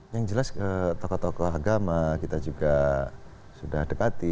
yang jelas tokoh tokoh agama kita juga sudah dekati